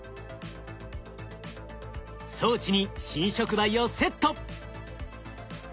装置に新触媒をセット。